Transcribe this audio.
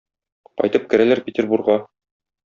Кайтып керәләр Петербурга.